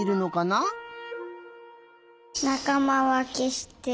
なかまわけしてる。